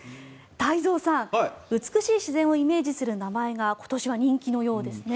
太蔵さん、美しい自然をイメージする名前が今年は人気のようですね。